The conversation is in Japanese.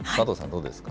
どうですか。